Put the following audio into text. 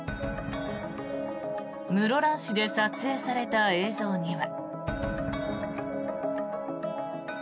室蘭市で撮影された映像には。